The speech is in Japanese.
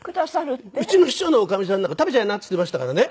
うちの秘書のおかみさんなんか「食べちゃいな」って言っていましたからね。